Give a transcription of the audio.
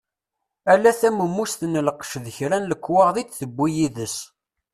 Ala tawemmust n lqec d kra n lekwaɣeḍ i d-tewwi d yid-s.